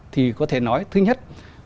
thì có thể nói thứ nhất